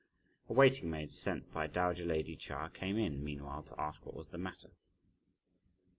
A waiting maid sent by dowager lady Chia came in, meanwhile, to ask what was the matter.